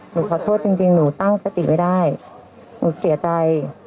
หนูขอโทษจริงหนูตั้งสติไม่ได้หนูเสียใจ